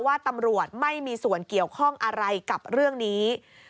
ว่าตำรวจไม่มีส่วนเกี่ยวข้องอะไรกับเรื่องนี้